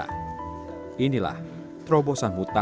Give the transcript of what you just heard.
dan memperbaiki kualitas internet yang sudah dihimpati oleh desa